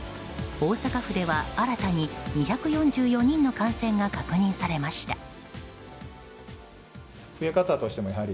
大阪府では新たに２４４人の感染が確認されました。